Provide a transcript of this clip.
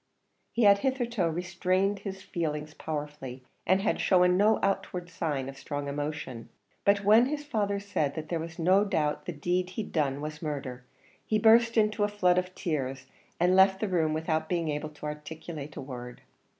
He had hitherto restrained his feeling powerfully, and had shown no outward signs of strong emotion; but when his father said that there was no doubt the deed he'd done was murder, he burst into a flood of tears, and left the room without being able to articulate a word.